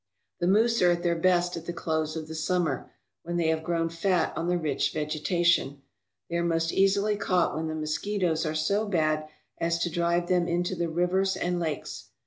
The moose are at their best at the close of the summer, when they have grown fat on the rich vegetation. They are most easily caught when the mosquitoes are so bad as to drive them into the rivers and lakes.